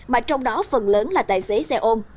mà trong đó phần lớn là tài xế xe ôm